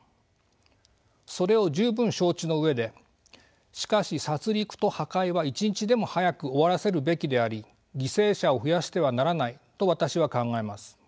それを十分承知の上でしかし殺りくと破壊は一日でも早く終わらせるべきであり犠牲者を増やしてはならないと私は考えます。